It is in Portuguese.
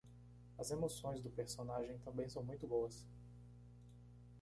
As emoções do personagem também são muito boas.